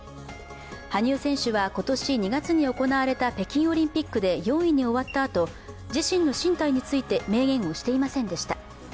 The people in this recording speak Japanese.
羽生選手は今年２月に行われた北京オリンピックで４位に終わったあと自身の進退について明言をしていませんでした。